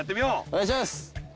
お願いします！